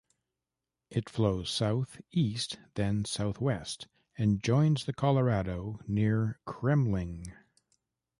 It flows south, east, then southwest, and joins the Colorado near Kremmling.